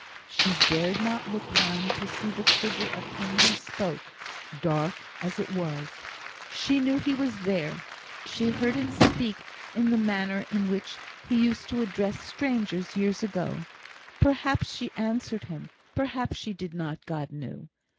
She dared not look round to see the figure of him who spoke, dark as it was. She knew he was there she heard him speak in the manner in which he used to address strangers years ago; perhaps she answered him, perhaps she did not God knew.